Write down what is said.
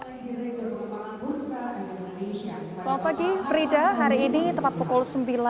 selamat pagi frida hari ini tepat pukul sembilan